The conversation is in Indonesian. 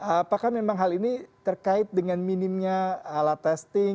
apakah memang hal ini terkait dengan minimnya alat testing